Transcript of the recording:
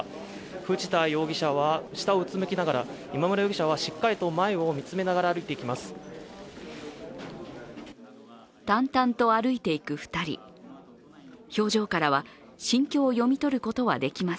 藤田容疑者は下をうつむきながら今村容疑者はしっかりと前を見つめながら歩いてきます。